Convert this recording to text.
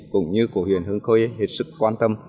cũng như của huyện hương khê hết sức quan tâm